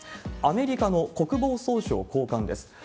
アメリカの国防総省高官です。